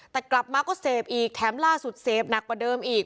แต่กลับมาก็เสพอีกแถมล่าสุดเสพหนักกว่าเดิมอีก